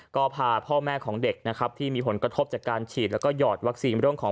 ก็พาพ่อแม่ของเด็กที่มีผลกระทบจากการฉีดและหยอดวัคซีน